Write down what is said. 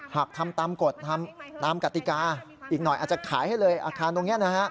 หากทำตามกฎตามกติกาอีกหน่อยอาจจะขายให้เลยอาคารตรงนี้นะฮะ